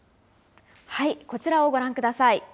こちらをご覧ください。